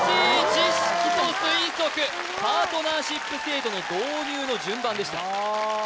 知識と推測パートナーシップ制度の導入の順番でした